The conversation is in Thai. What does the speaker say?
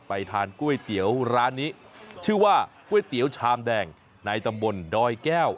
ทานก๋วยเตี๋ยวร้านนี้ชื่อว่าก๋วยเตี๋ยวชามแดงในตำบลดอยแก้ว